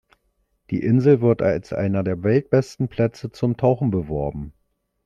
Die Insel wird als einer der weltbesten Plätze zum Tauchen beworben.